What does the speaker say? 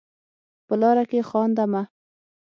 په لاره کې خانده مه.